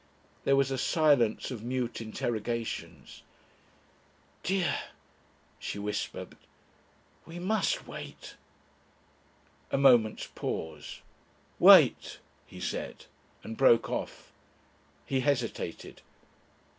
There was a silence of mute interrogations. "Dear," she whispered, "we must wait." A moment's pause. "Wait!" he said, and broke off. He hesitated.